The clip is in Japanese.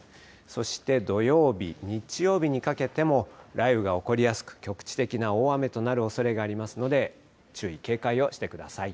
そして土曜日、日曜日にかけても、雷雨が起こりやすく、局地的な大雨となるおそれがありますので、注意、警戒をしてください。